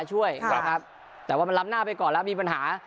ช่วยนะครับแต่ว่ามันล้ำหน้าไปก่อนแล้วมีปัญหา